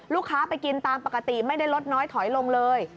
ไปกินตามปกติไม่ได้ลดน้อยถอยลงเลย